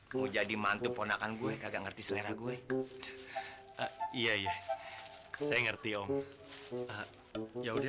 aku jadi mantu ponakan gue kagak ngerti selera gue iya ya saya ngerti om ya udah